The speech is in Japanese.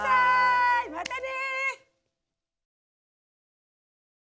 またね！